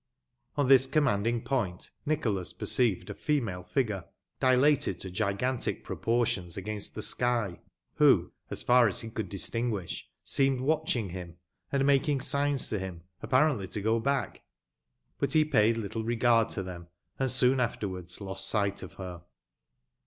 On this commanding point Nicholas perceived a female figure, dilated to gigantic proportions against the sky, who, as far as he could distinguish, seemed watching him, and making signs to him, apparently to go back ; but he paid little regard to them, and soon afterwards lost sight of her.